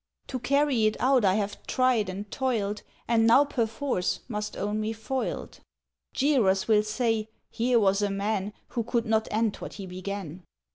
"To carry it out I have tried and toiled, And now perforce must own me foiled! "Jeerers will say: 'Here was a man Who could not end what he began!